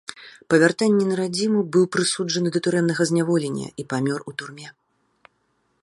Па вяртанні на радзіму быў прысуджаны да турэмнага зняволення і памёр у турме.